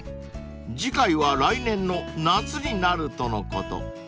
［次回は来年の夏になるとのこと］